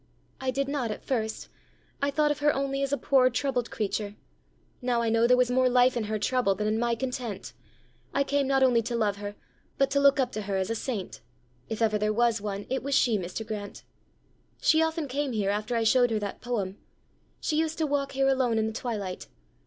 "I did not at first; I thought of her only as a poor troubled creature! Now I know there was more life in her trouble than in my content. I came not only to love her, but to look up to her as a saint: if ever there was one, it was she, Mr. Grant. She often came here after I showed her that poem. She used to walk here alone in the twilight.